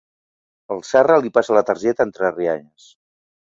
El Serra li passa la targeta, entre rialles.